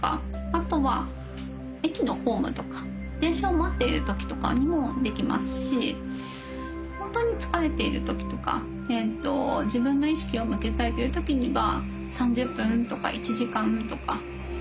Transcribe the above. あとは駅のホームとか電車を待っている時とかにもできますし本当に疲れている時とか自分の意識を向けたいという時には３０分とか１時間とか。